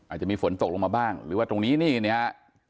อาจจะมีฝนตกลงมาบ้างหรือว่าตรงนี้นี่นะฮะ